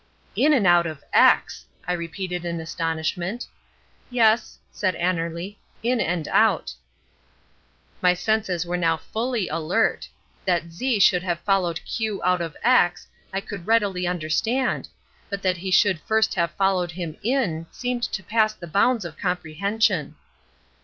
"In and out of X," I repeated in astonishment. "Yes," said Annerly, "in and out." My senses were now fully alert. That Z should have followed Q out of X, I could readily understand, but that he should first have followed him in seemed to pass the bounds of comprehension.